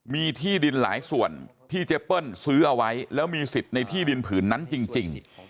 มีที่ดินหลายส่วนที่เจเปิ้ลซื้อเอาไว้แล้วมีสิทธิ์ในที่ดินผืนนั้นจริง